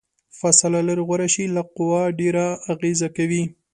فاصله لرې غوره شي، لږه قوه ډیره اغیزه کوي.